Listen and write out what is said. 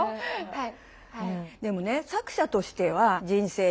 はい。